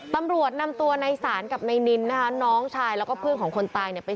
ตำรวจนำตัวในศาลกับนายนินนะคะน้องชายแล้วก็เพื่อนของคนตายเนี่ย